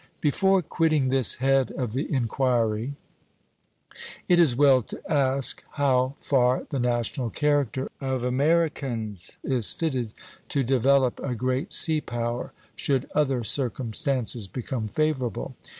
Before quitting this head of the inquiry, it is well to ask how far the national character of Americans is fitted to develop a great sea power, should other circumstances become favorable.